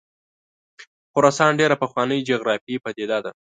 خراسان ډېره پخوانۍ جغرافیایي پدیده ده.